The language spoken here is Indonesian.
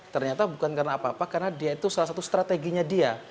ternyata bukan karena apa apa karena dia itu salah satu strateginya dia